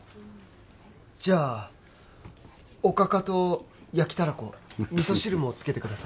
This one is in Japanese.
じゃあおかかと焼きたらこ味噌汁も付けてください